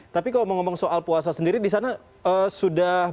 tapi kalau ngomong ngomong soal puasa sendiri di sana sudah